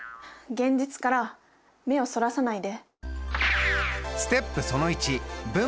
現実から目をそらさないで。